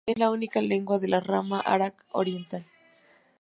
Es la única lengua de la rama arawak oriental.